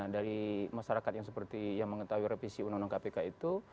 dari masyarakat yang seperti yang mengetahui revisi undang undang kpk itu